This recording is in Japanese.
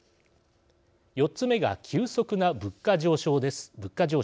４つ目が急速な物価上昇です。